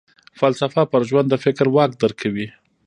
فلسفه پر ژوند د فکر واک درکوي.